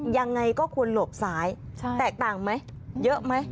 ยังไงก็ควรหลบซ้ายแตกต่างไหมเยอะไหม